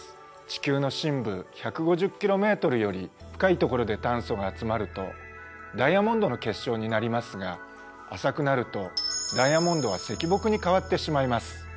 地球の深部１５０ｋｍより深いところで炭素が集まるとダイヤモンドの結晶になりますが浅くなるとダイヤモンドは石墨に変わってしまいます。